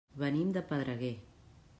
Venim de Pedreguer.